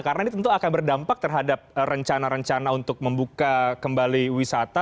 karena ini tentu akan berdampak terhadap rencana rencana untuk membuka kembali wisata